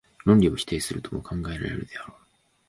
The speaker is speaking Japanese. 論理を否定するとも考えられるでもあろう。